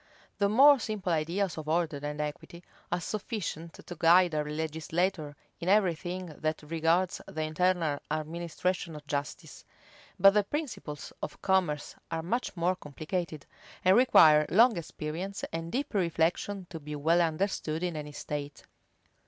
The more simple ideas of order and equity are sufficient to guide a legislator in every thing that regards the internal administration of justice: but the principles of commerce are much more complicated, and require long experience and deep reflection to be well understood in any state.